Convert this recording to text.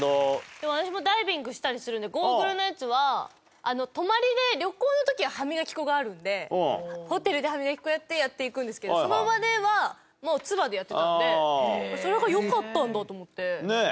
でも私もダイビングしたりするのでゴーグルのやつは泊まりで旅行の時は歯磨き粉があるんでホテルで歯磨き粉やってやって行くんですけどその場ではもうツバでやってたんでそれがよかったんだと思って。